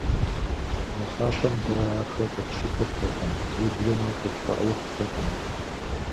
Нэхъапэм дэ ахэр къэтщыпыртэкъым, уеблэмэ къытфӏэӏуэхутэкъым.